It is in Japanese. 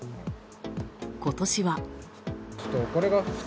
今年は。